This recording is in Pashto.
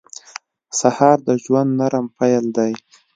سهار د ژوند نرم پیل دی.